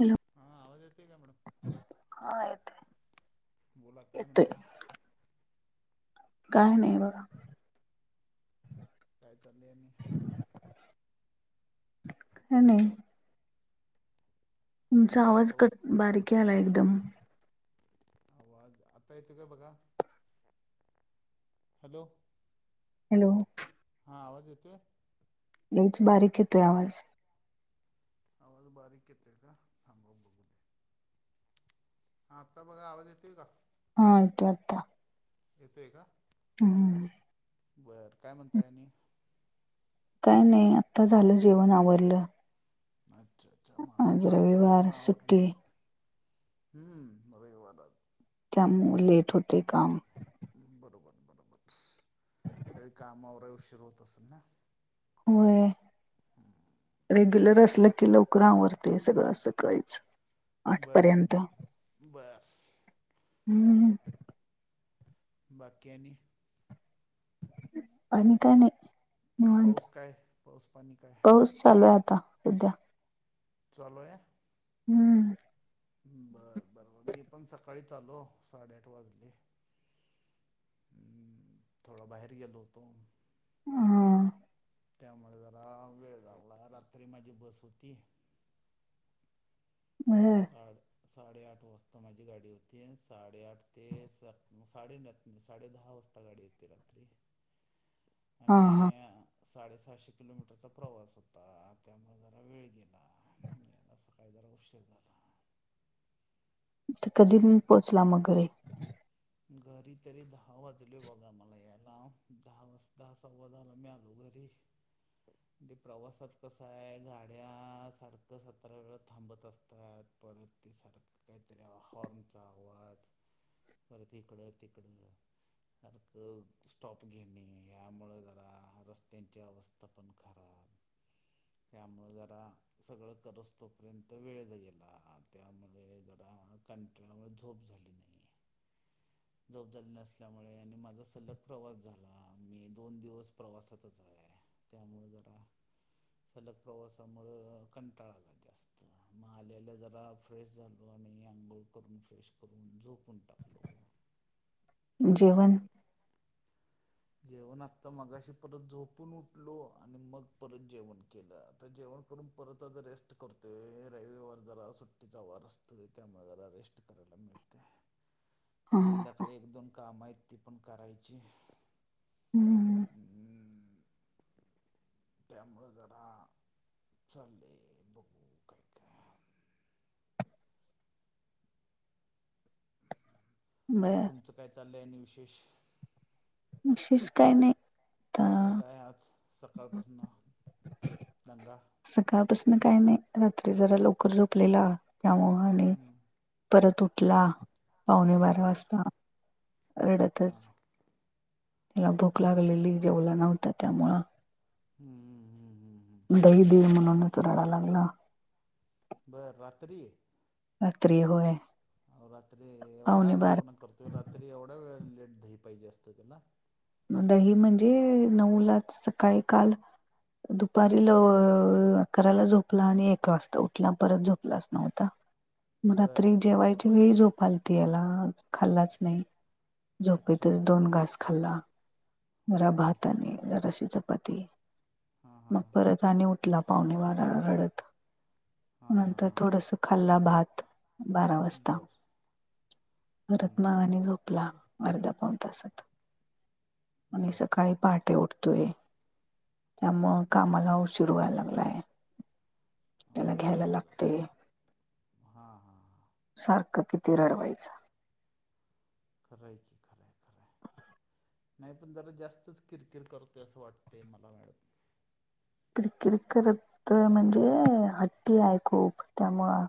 Hello. [inaudible] हा, आवाज येतेय का मॅडम? हा येतोय. बोला काय येतोय म्हणताय? काय नाही बघा. काय चाले आणि [unintelligible] काय नाही. तुमचा काय आवाज पाऊस कट बारीक यायला एकदम. आवाज, आता येतोय काय बघा? हॅलो? हॅलो? हा, आवाज येतोय? लयच बारीक येतोय आवाज. आवाज बारीक येतोय का? थांबा बघू दे. हा, आता बघा आवाज येेतोय का? हा, आता येतोय. येतोय का? हम. बर. काय म्हणताय आणि? काय नाही आत्ता झालं जेवण, आवरलं. अच्छा, अच्छा, माझं आज पण आत्ता जेवण रविवार आवरलं. सुट्टी हम्म र वाटात. [unintelligible] त्यामुऊ लेट होतय काम. बरोबर, बरोबर, ते कामावर उशीर होत असेल ना? होय, अच्छा रेग्युलर असलं की, लवकर आवरतय सगळं असं करायच. बर, बर. हम्म. [inaudible] बाकी आणि? आणि काय नाही. निवांत, पाऊस काय पाऊस पाणी काय पाऊस चालू आहे आता हीत. चालु आहे. हम्म. बरं बरं बर, मी पण सकाळीच आलो, साडेआठ वाजले. थोडा बाहेर गेलो होतो. हा त्यामुळे जरा वेळ लागला, रात्री माझी बस होती. बर आड साडेआठ वाजता माझी गाडी होती, साडेआठ ते स साडेन साडे दहा वाजता गाडी येत ते रात्री. हा आणि हा साडेसहाशे किलोमीटरचा प्रवास होता, त्यामुळे जरा वेळ गेला. आज सकाळी जरा उशीर झाला. तर कधी प पोचला मग घरी? घरी तरी दहा वाजले बघा मला यायला, दहा वाजता सव्वा दहा मि आलो घरी. ते ते प्रवासात कस आहे, गाड्या सारखं सतरा वेळ थांबत असतात. परत त्यासारखं काहीतरी हॉर्नचा आवाज. परत इकड -तिकडं सारखं स्टॉप घेणे यामुळं जरा, रस्त्यांची अवस्था पण खराब त्यामुळं जरा सगळं करस तोपर्यंत वेळ गेला, त्यामध्ये जरा कं त्यामुळे, झोप झाली नाही आहे. झोप झाली नसल्यामुळे आणि माझा सलग प्रवास झाला, मी दोन दिवस प्रवासातच आहे. त्यामुळं जरा सलग प्रवासामुळं कंटाळा आला जास्त. म आल्या आल्या जरा फ्रेश झालो आणि आंघोळ करून, फ्रेश करून, झोपून टाकलो. जेवन? जेवण आत्ता मगाशी, परत झोपून उठलो आणि मग परत जेवण केलं, आता जेव वन करून परत आज रेस्ट करतोय, रविवार जरा सुट्टीचा वार असतोय, त्यामुळे जरा रेस्ट करायला मिळतय, तर हा संध्याकाळी एक दोन काम आहेत, ती पण करायची. हम्म हम्म, त्यामुळे जरा चाललंय, बघू काय काय. बर तुमचं काय चाललंय आणि विशेष? विशेष काय नाही. आता पोरग काय आज सकाळपासनं, दंगा? सकाळपासनं काय नाही, रात्री जरा लवकर झोपलेला त्यामुळ आणि हम्म परत आ उठला पावणे बारा बर वाजता. रडतच हां त्याला भूक अच्छा लागलेली, जेवला नव्हता त्यामुळं. हम्म दही दे म्हणूनचं रडायला लागला. बरं, रात्री? रात्री होय. अ रात्री एवढा पावणे बारा अगावपणा करतोय, रात्री एवढ्या वेळ लेट दही पाहिजे असतंय त्याला? दही म्हणजे, नऊलाच सकाळी काल दुपारी लव अकराला झोपला आणि एक वाजता उठला, परत झोपलाच नव्हता. मग बर रात्री जेवायच्या वेळी झोप आलती याला, खाल्लाच नाही. अच्छा झोपेतच दोन घास खाल्ला. जरा ओके भात आणि जराशी चपाती. हा हा मग परत आणि उठला पावणे बाराला रडत, हां हां नंतर हां हां थोडंसं खाल्ला भात बारा वाजता, बर परत मग हम्म आणि झोपला. अर्धा -पाऊण तासात. आणि बर सकाळी पहाटे उठतोय, त्यामुळं अच्छा कामाला उशीर व्हायला लागलाय. त्याला घ्यायला बरं लागते बरं, हा हा हा सारखं किती रडवायचं? खरं आहे की, खरं आहे, खरं आहे. नाही पण जरा जास्तच किरकिर करतोय, असं वाटतंय मला मॅडम. किरकिर करतोय म्हणजे, हट्टी आहे खूप त्यामुळं.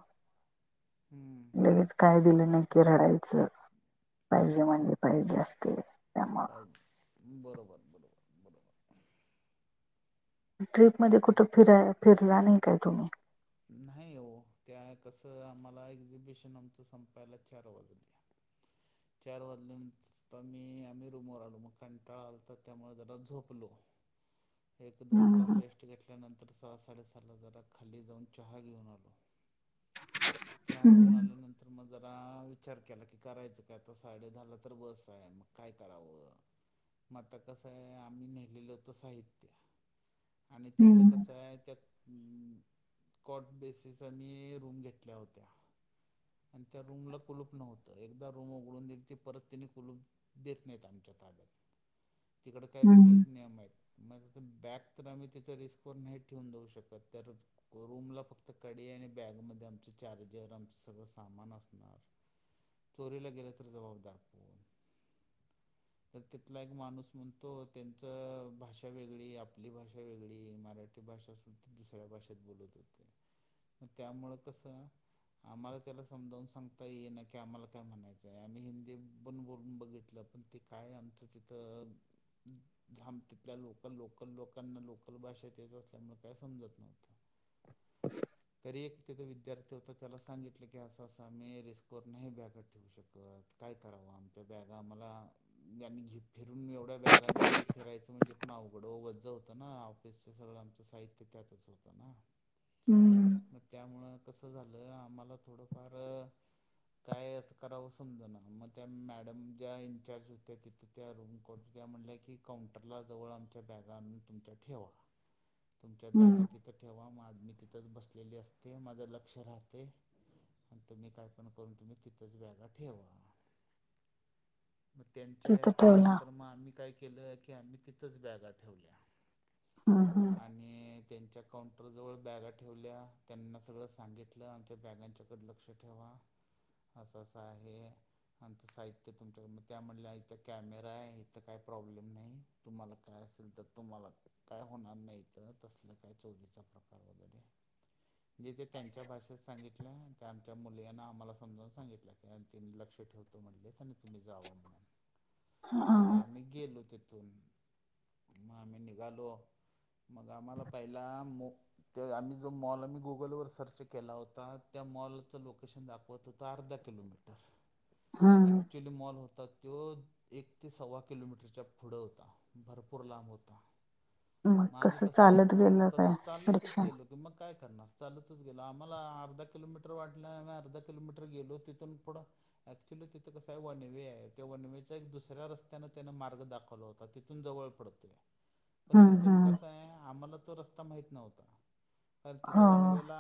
हम्म लगेच काय दिलं नाही की, रडायचं पाहिजे अच्छा म्हणजे पाहिजे असतंय त्यामुळं. पाहिजे बरोबर बरोबर बरोबर ट्रिपमध्ये कुठं फिराय, फिरला नाही काय तुम्ही? नाही ओ त्या कसं आम्हाला एक्झिबिशन आमचं संपायला चार वाजले. चार वाजले, मी आम्ही रूमवर आलो, मग कंटाळा आलता त्यामुळे जरा झोपलो. एक - दोन हम्म तास रेस्ट घेतल्यानंतर स हा -साडेसहा ला जरा खाली जाऊन चहा घेऊन आलो, चहा घेऊन हम्म आल्यानंतर तर मग जरा विचार केला की, करायचं आता साडे दहा ला तर बस आहे, मग काय करावं? म आता कसं आहे, आम्ही नेलेलो होतो साहित्य आणि तिथं हम्म कसं आहे त्या अं कॉट बेसीस आणि रूम घेतल्या होत्या. आणि त्या रूमला कुलूप नव्हतं, एकदा रु म उघडून दिलती, परत तेनी खुलून देत नाहीत आमच्या ताब्यात. तिकडं काय वेगळेच हम्म नियम आहेत. मग बॅग तर आम्ही तिथं रिस्कवर नाही ठेवून जाऊ शकत, तर रूमला फक्त कडी आणि बॅगमध्ये आमचं चार्जर, आमचं सगळं सामान असणार. चोरीला गेलं तर जबाबदार कोण? तर तिथला एक माणूस म्हणतो, त्यांचं भाषा वेगळी आपली भाषा वेगळी, मराठ् ठी भाषा असुन दुसऱ्या भाषेत बोलत होते. मग त्यामुळेळ कसं, आम्हाला त्याला समजावून सांगता ये ना की, आम्हाला काय म्हणायचंय, आम्ही हिंदी पन बोलून बघितलं, पण ते काय आमचं तिथं हम्म झाम तिथल्या लोकल लोकल, लोकांना लोकल भाषेत येत असल्यामुळे काय समजत नव्हतं. तरी एक तिथे विद्यार्थी होता, त्याला सांगितलं की, असं अस आम्ही रिस्कवर नाही ब्यागा ठे ठेवू शकत, काय करावं आमच्या बॅगा आम्हाला यांनी घेफिरून म एवढ्या बॅगा घेऊन फिरायचं म्हणजे पण अवघडं ओ वज्ज होतं ना. तेच सगळं आमचं साहित्य त्यातच होतं ना. हम्म मग त्यामुळं कसं झालं, आम्हाला थोडंफार काय करावं समजा ना मग त्या मॅडम ज्या इंनचार्ज होत्या तिथं त्या रूम कॉड त्या म्हणल्या की काउंटरला जवळ आमच्या बॅगा आणून तुमच्या ठेवा तुमच्या बॅगा हम्म तिथं ठेव्हा मा मी तिथंच बसलेली असते माझं लक्ष राहतय. आणि तुम्ही कायपण करून तुम्ही तिथंच ब्यागा ठेवा. म त्यांच्या तिथं याच्या ठेवला नंतर म आम्ही काय केलं की आम्ही तिथंच बॅगा ठेवल्या. हम्म हम्म आणि त्यांच्या काउंटरजवळ बॅगा ठेवल्या त्यांना सगळं सांगितलं आमच्या बॅगांच्याकड लक्ष ठेवा. असं -असं आहे. आमचं साहित्य तुमच्याक, म त्याम्हणल्या इथ कॅमेरा आहे इथं काही प्रॉब्लेम नाही. तुम्हाला काय असेल त तुम्हाला काय होणार नाही इथं तसलं काय चोरीचा प्रकार वगैरे. जे ते त्यांच्या भाषेत सांगितल, त्यां आमच्या मुलीं आहे ना आम्हाला समजाऊन सांगितल त्यानं तिनं लक्ष ठेवतो म्हणले त्यांनी तुम्ही जावा म्हणून. म हम्म आमी गेलो तीथून म आमी निघालो मग आम्हाला पहिला मो ते आम्ही जो मॉल आम्ही गुगलवर सर्च केला होता, त्या मॉलचं लोकेशन दाखवत होत त अर्धा किलोमीटर, हम्म ॲक्च्युली मॉल होता तो एक ते सव्वा किलोमीटरच्या पुढं होता भरपूर लांब होता. मग म आम्ही कसं चालत तसच गेलं तस काय चालतच रिक्षा गेलो. मग काय करणार चालतच गेलो, आम्हाला अर्धा किलोमीटर वाटलं आम्ही अर्धा किलोमीट र गेलो तिथून पुढं अऍक्च्युअली तिथं कसं आहे वनवे आहे त्या वनवेचा एक दुसऱ्या रस्त्याने त्यान मार्ग दाखवला होता. तिथून जवळ पडतय. पण हम्म तिथून हम्म कसं आहे, आम्हाला तो रस्ता माहीत नव्हता कारण तिथं हो वनवेला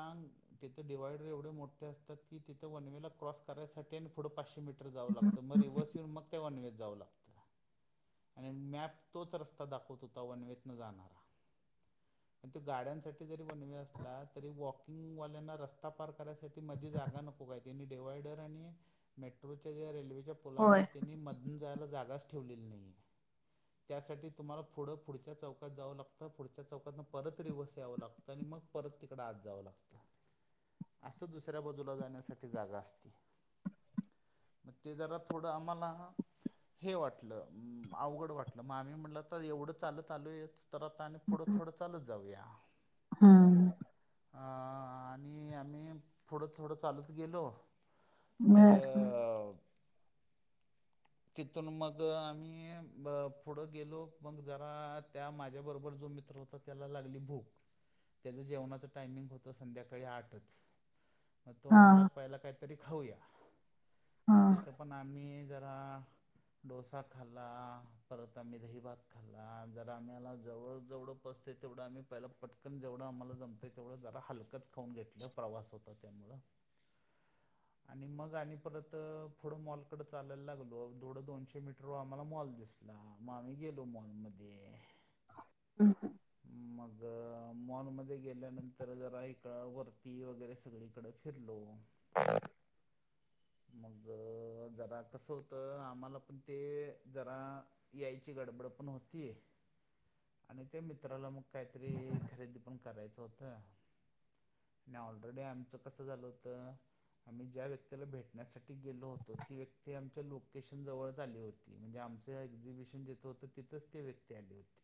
तिथे डिवायडर एवढे मोठे असतात की ती त वनवेला क्रॉस करायसाठी आणि पुढं पाचशे मीटर जाव लागतं मं रिवस स येऊन मग त्या वनवेत जावं लागत. आणि मॅप तोच रस्ता दाखवत होता वनवेतन जाणारा. [inaudible] अण ते गाड्यांसाठी जरी वनवे असला, तरी वॉकिंग वाल्यांना रस्ता पार करायसाठी मध्ये जागा नक कों काय तेनी डिवाडर आणि मेट्रोच्या ज्या रेल्वेच्या होय पुलामुळे त्यांनी म धून जायला जागाच ठेवलेली नाहीेय. त्यासाठी तुम्हाला पुढं पुढच्या चौकात जावं लागतं पुढच्या चौकातन परत रीवस यावं लागतं. आणि मग परत तिकड आत जावं लागत असं दुसऱ्या बाजूला जाण्यासा ठी जागा असती मग ते जरा थोड आम्हाला हे वाटलं मं अवघड वाटलं म आम्ही म्हटलं त आता एवढं चालत आलोयेच तर आता आणि पुढं थोडं चालत जाऊया. हूं! आ आणि आम्ही पुढ थोडं चालत गेलो तर! बर तिथून मग आम्ही ब पुढं गेलो मग जरा त्या माझ्या बरोबर जो मित्र हो त त्याला लागली भूक त्याच जेवणाच टायमिंग होत संध्याकाळी आठच. मग तो हा म्हणला पहिला काहीतरी खाऊया हा म तिथं पण आम्ही जरा डोसा खाल्ला, परत आम्ही दहीभात खाल्ला, जरा आम्हीला जवळ-जवड पचतेय तेवढं आम्ही पहिला पटकन, जेवढं आम्हाला जमतय तेवढं जरा हलकच. खांऊन घेतलं प्रवास होता त्यामुळ. आणि मग आणि परत पुढं मॉलकडें चालायला लागलो थोडं दोनशे मीटर व आम्हाला मॉल दिस ला मग आम्ही गेलो मॉलमध्ये हम हं मग मॉलमध्ये गेल्यानंतर जरा इकडं वरती वगैरे सगळीकडं खिल्लो. ह [unintelligible] मग जरा कसं होतं आम्हाला पण ते जरा यायची गडबड पण होतीय. आणि त्या मित्राला मग काहीतरी खरेदी पण करायचं होतं. नाही ऑलरेडी आमचं कसं झालं होतं. आम्ही ज्या व्यक्तीला भेटण्यासाठी गेलो होतो ती व्यक्ती आमच्या लोकेशन जवळच आली होती. म्हणजे आमचं एक्झिबिशन जिथं होतं तिथंच ते व्यक्ती आले होते.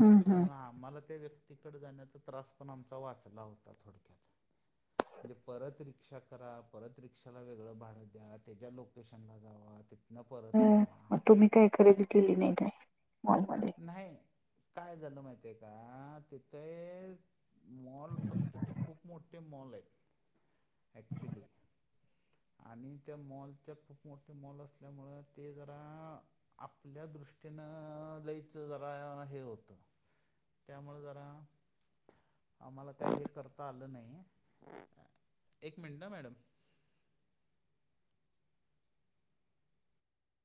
हम्म हम्म त्यामुळे आम्हाला त्या व्यक्तीकडे जाण्याचा त्रास पण आमचा वाचला होता थोडक्यात म्हणजे परत रिक्षा करा परत रिक्षाला वेगळं भाडं द्या त्याच्या लोकेशनला जावा. ति न परत या मग तुम्ही काय खरेदी केली नाही काय मॉलमध्ये नाही. काय झालं माहित आहे का तिथ मॉल फक्त ते खूप मोठ ते मॉल आहेत ऍक्च्युली आणि त्या मॉलच्या खूप मोठे मॉल असल्यामुळ ते जरा आपल्या दृष्टीनं लयचं जरा हे होतं. त्यामुळ जरा आम्हाला काय हे करता आलं नाही एक मिनट मॅडम